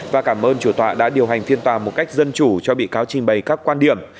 và cảm ơn chủ tọa đã điều hành phiên tòa một cách dân chủ cho bị cáo trình bày các quan điểm